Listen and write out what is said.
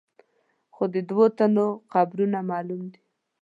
خو د دوو تنو قبرونه معلوم دي.